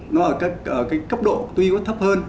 nó ở cái cấp độ tuy có thấp hơn